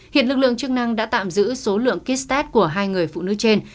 hiện lực lượng chức năng đã tạm giữ số lượng kit test của hai người phụ nữ trên